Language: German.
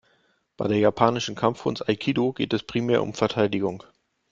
Bei der japanischen Kampfkunst Aikido geht es primär um Verteidigung.